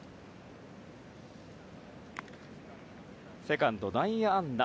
セカンドの内野安打。